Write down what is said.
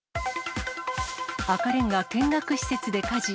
赤れんが見学施設で火事。